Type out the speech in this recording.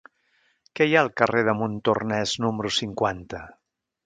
Què hi ha al carrer de Montornès número cinquanta?